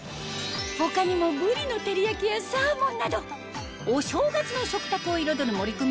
他にもぶりの照焼やサーモンなどお正月の食卓を彩る森クミ